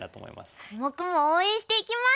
コモクも応援していきます！